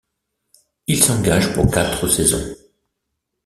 Il s'engage pour quatre saisons.